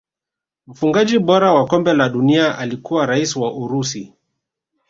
mfungaji bora wa kombe la dunia alikuwa raia wa urusi